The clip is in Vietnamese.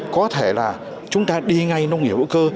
có thể là chúng ta đi ngay nông nghiệp hữu cơ